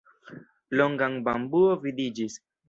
Longan bambuo vidiĝis.